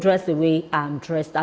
orang orang yang berpakaian seperti ini